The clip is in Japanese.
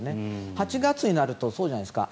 ８月になるとそうじゃないですか。